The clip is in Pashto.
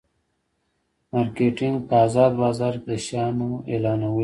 مارکیټینګ په ازاد بازار کې د شیانو اعلانول دي.